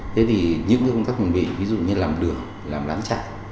thế thì những công tác chuẩn bị ví dụ như làm đường làm lán chạy